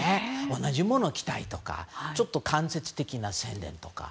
同じものを着たいとか間接的な宣伝とか。